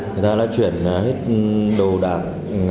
khi ta đã chuyển hết đồ đạp